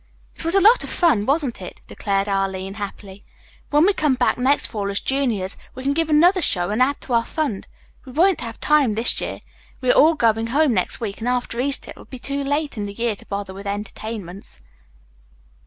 "It was lots of fun, wasn't it?" declared Arline happily. "When we come back next fall as juniors we can give another show and add to our fund. We won't have time this year. We are all going home next week and after Easter it will be too late in the year to bother with entertainments."